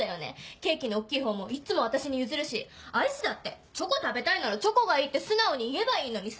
ケーキの大っきい方もいつも私に譲るしアイスだってチョコ食べたいならチョコがいいって素直に言えばいいのにさ。